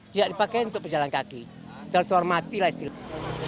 tidak dipakai untuk pejalan kaki trotoar matilah istilahnya